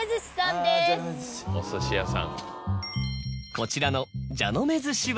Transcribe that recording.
こちらの。